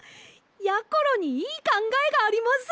やころにいいかんがえがあります！